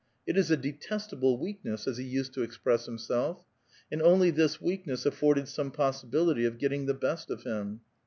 "It is a detestable weakness," as he cised to express himself. And only this weakness afforded dome possibility of getting the best of him.